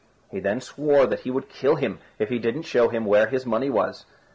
He then swore that he would kill him if he did not show him where his money was.